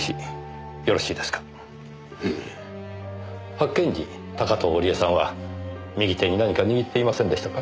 発見時高塔織絵さんは右手に何か握っていませんでしたか？